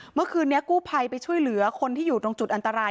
เมื่อคืนนี้กู้ภัยไปช่วยเหลือคนที่อยู่ตรงจุดอันตราย